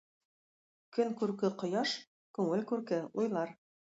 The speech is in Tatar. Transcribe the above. Көн күрке – кояш, күңел күрке – уйлар.